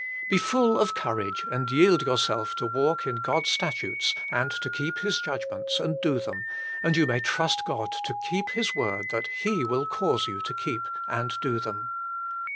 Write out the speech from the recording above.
Be full of courage and yield yourself to walk in God s statutes and to keep His judgments and do them, and you may trust God to keep His word that He will cause you to keep and do them.